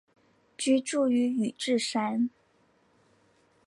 居住于宇治山。